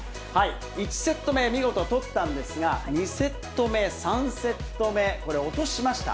１セット目、見事取ったんですが、２セット目、３セット目、これ、落としました。